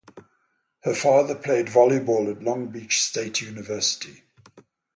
Her father played volleyball at Long Beach State University.